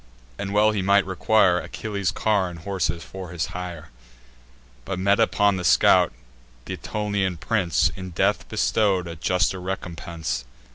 and well he might require Achilles' car and horses, for his hire: But, met upon the scout, th' Aetolian prince In death bestow'd a juster recompense.